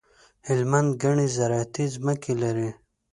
هلمند ګڼي زراعتي ځمکي لري.